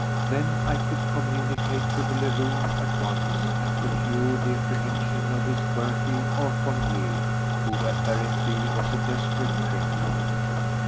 Then I could communicate with Leroux at once and procure the apprehension of this Berty—or Fournier—who apparently was a desperate criminal.